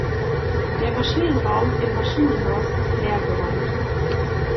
Der Maschinenraum im Maschinenhaus ist leergeräumt.